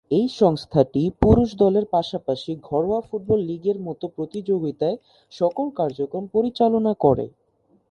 এই সংস্থাটি পুরুষ দলের পাশাপাশি ঘরোয়া ফুটবল লীগের মতো প্রতিযোগিতার সকল কার্যক্রম পরিচালনা করে।